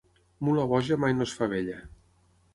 Mula boja mai no es fa vella.